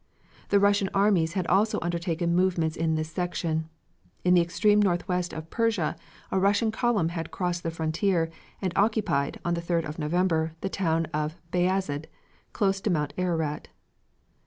The Russian armies had also undertaken movements in this section. In the extreme northwest of Persia a Russian column had crossed the frontier, and occupied, on the 3d of November, the town of Bayazid close to Mt. Ararat.